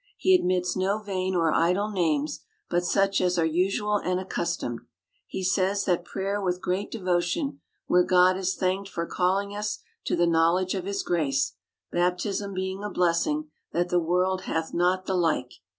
He admits no vain or idle names, but such as are usual and accustomed. He says that prayer with great devotion, where God is thanked for calling us to the knowledge of his grace ; baptism being a blessing, that the world hath not the like.